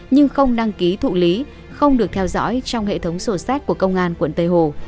nhưng không đăng ký thụ lý không được theo dõi trong hệ thống sổ sách của công an quận tây hồ